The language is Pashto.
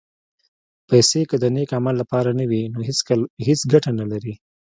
پېسې که د نېک عمل لپاره نه وي، نو هېڅ ګټه نه لري.